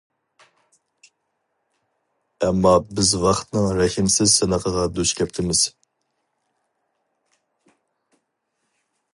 ئەمما بىز ۋاقىتنىڭ رەھىمسىز سىنىقىغا دۇچ كەپتىمىز.